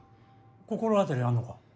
心当たりあんのか？